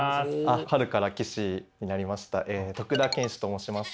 春から棋士になりました徳田拳士と申します。